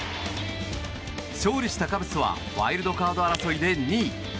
勝利したカブスはワイルドカード争いで２位。